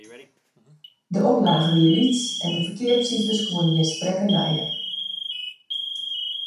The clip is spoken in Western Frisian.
De oplage wie lyts en de ferkeapsifers koene gjin sprekken lije.